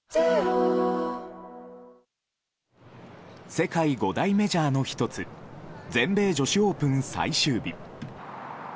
世界五大メジャーの１つ全米女子オープン最終日。